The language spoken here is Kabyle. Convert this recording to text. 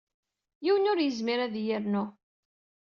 Yiwen ur yezmir ad iyi-yernu.